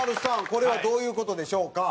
これはどういう事でしょうか？